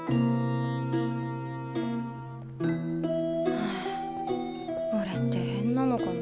はあおれって変なのかな。